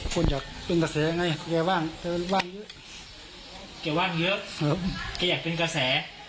คนอยากเป็นกระแสไงแกว่างเธอว่างเยอะแกว่างเยอะแกอยากเป็นกระแส